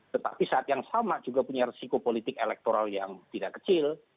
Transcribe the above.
tetapi saat yang sama juga punya resiko politik elektoral yang tidak kecil